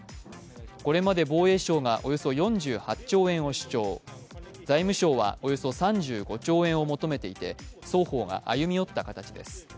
これまで防衛省がおよそ４８兆円を主張財務省はおよそ３５兆円を求めていて双方が歩み寄った形です。